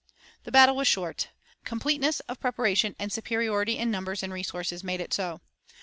The battle was short. Completeness of preparation and superiority in numbers and resources made it so.